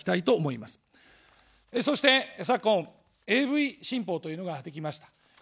そして昨今、ＡＶ新法というのができました。